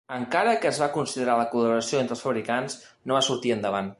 Encara que es va considerar la col·laboració entre els fabricants, no va sortir endavant.